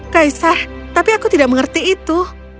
kaisah tapi aku tidak mengerti itu